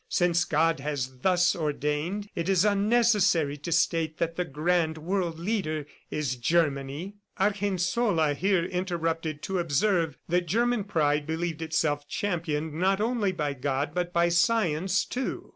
Since God has thus ordained, it is unnecessary to state that the grand world leader is Germany." Argensola here interrupted to observe that German pride believed itself championed not only by God but by science, too.